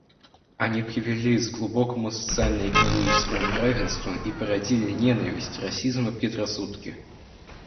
Они привели с глубокому социально-экономическому неравенству и породили ненависть, расизм и предрассудки.